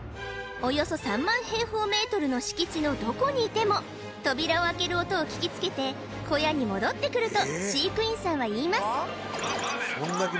およそ３万ｍ２の敷地のどこにいても扉を開ける音を聞きつけて小屋に戻ってくると飼育員さんはいいます